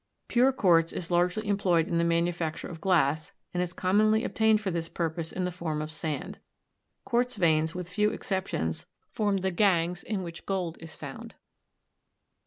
Pure quartz is largely employed in the manufacture of glass and is commonly obtained for this purpose in the form of sand. Quartz veins with few exceptions form the gangues in which gold is found.